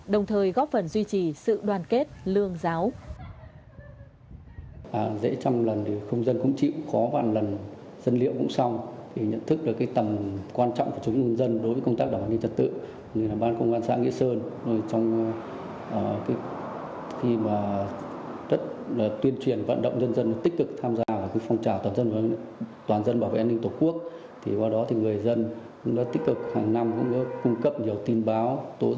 đồng thời góp phần duy trì sự đoàn kết lương giáo